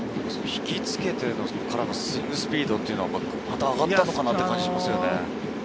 引き付けてからのスイングスピードというのはまた上がったのかなという感じもします。